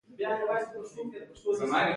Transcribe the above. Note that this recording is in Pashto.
د شلغم ګل د سترګو لپاره وکاروئ